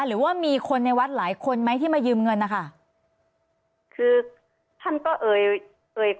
หรือว่ามีคนในวัดหลายคนไหมที่มายืมเงินนะคะคือท่านก็เอ่ยเอ่ย